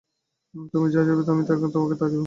তুমি যা চাইবে আমি তোমাকে তাই দিব।